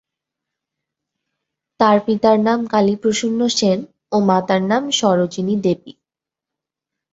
তার পিতার নাম কালীপ্রসন্ন সেন ও মাতার নাম সরোজিনী দেবী।